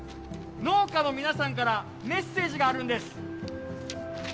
農家の皆さんからメッセージがあるんです。